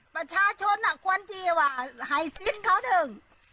ประชาชนน่ะกวันจีนว่าให้ซิทเขาถึง